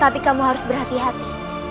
tapi kamu harus berhati hati